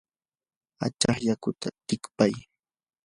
achaq yakuta tikpay.